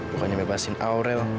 pokoknya bebasin aurel